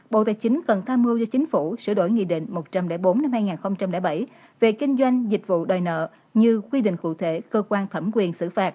bộ tài chính cần tha mưu cho chính phủ sửa đổi nghị định một trăm linh bốn hai nghìn bảy